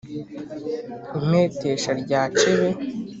impetesha rya cebe